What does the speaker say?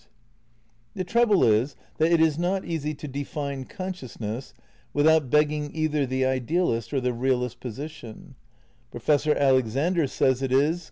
IX RECONSTEUCTION OF IDEALISM 279 The trouble is that it is not easy to define conscious ness without begging either the idealist or the realist position. Professor Alexander says it is